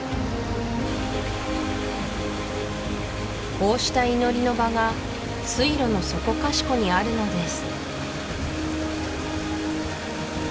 こうした祈りの場が水路のそこかしこにあるのです